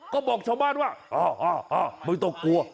ก็บอกชาวบ้านว่าไม่ต้องกลัว